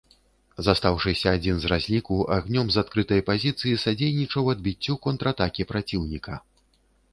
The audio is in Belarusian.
Застаўшыся адзін з разліку, агнём з адкрытай пазіцыі садзейнічаў адбіццю контратакі праціўніка.